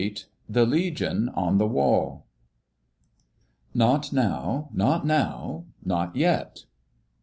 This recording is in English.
* *THE LEGION ON THE WALL.* "Not now. Not now. Not yet."